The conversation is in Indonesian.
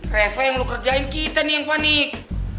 reh yang lo ngerjain kita nih yang panik